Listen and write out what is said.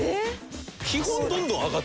基本どんどん上がってますよね？